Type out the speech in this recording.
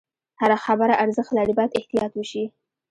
هره خبره ارزښت لري، باید احتیاط وشي.